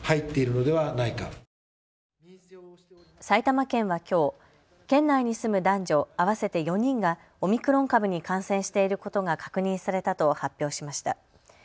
埼玉県はきょう、県内に住む男女合わせて４人がオミクロン株に感染していることが確認されたと発表しました。